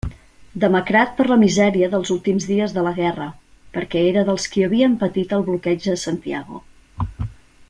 Demacrat per la misèria dels últims dies de la guerra, perquè era dels qui havien patit el bloqueig a Santiago.